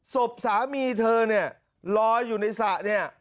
สมสามีเธอลอยอยู่ในศะ